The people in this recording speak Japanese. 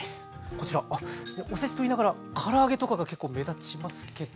こちらあおせちと言いながらから揚げとかが結構目立ちますけど。